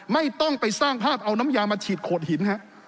ไม่ต้องไปสร้างภาพเอาน้ำยามาฉีดโขดหินฮะ